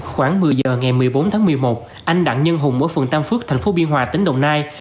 khoảng một mươi giờ ngày một mươi bốn tháng một mươi một anh đặng nhân hùng ở phường tam phước thành phố biên hòa tỉnh đồng nai